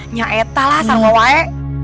nyaeta lah sama wae